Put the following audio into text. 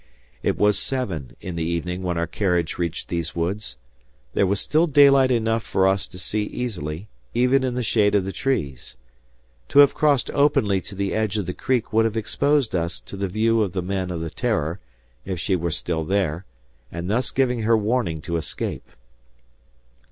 It was seven in the evening when our carriage reached these woods. There was still daylight enough for us to see easily, even in the shade of the trees. To have crossed openly to the edge of the creek would have exposed us to the view of the men of the "Terror," if she were still there, and thus give her warning to escape.